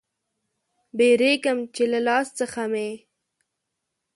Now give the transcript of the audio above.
بیریږم چې له لاس څخه مې